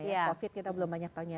covid kita belum banyak tahunya